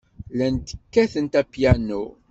Llant kkatent apyanu.